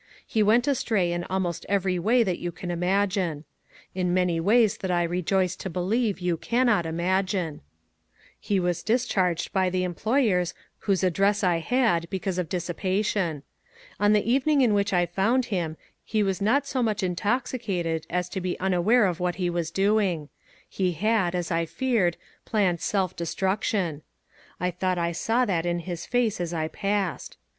He went astray in almost every way that you can imagine. In many ways that I rejoice to believe you cannot imagine. He was dis charged by the employers whose address I had, because of dissipation. On the evening in which I found him, he was not so much intoxicated as to be unaware of what he was doing. He had, as I feared, planned self destruction. I thought I saw that in his face as I passed.